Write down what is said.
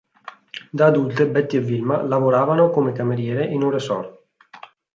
Da adulte, Betty e Wilma lavoravano come cameriere in un resort.